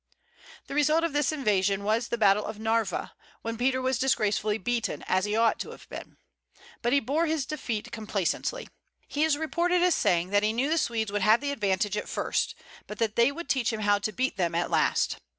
The result of this invasion was the battle of Narva, when Peter was disgracefully beaten, as he ought to have been. But he bore his defeat complacently. He is reported as saying that he knew the Swedes would have the advantage at first, but that they would teach him how to beat them at last.